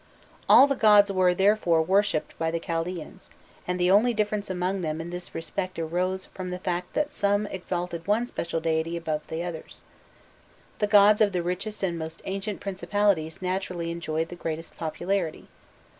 All the gods were, therefore, worshipped by the Chaldeans, and the only difference among them in this respect arose from the fact that some exalted one special deity above the others. The gods of the richest and most ancient principalities naturally enjoyed the greatest popularity.